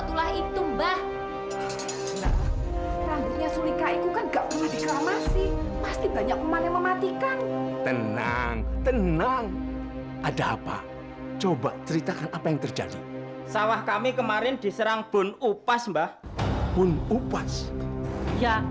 sampai jumpa di video selanjutnya